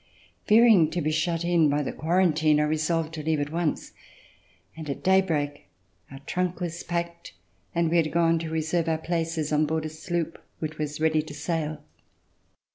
Fearing to be shut in by the quarantine, I resolved to leave at once, and at daybreak our trunk was packed and we had gone to reserve our places on board a sloop which was ready to set sail.